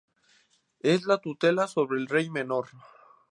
Es la tutela sobre el rey menor.